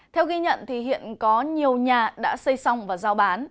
theo ghi nhận thì hiện có nhiều nhà đã xây xong và giao bán